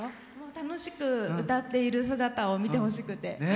楽しく歌っている姿を見てほしくて。